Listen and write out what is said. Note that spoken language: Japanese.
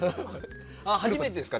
初めてですか？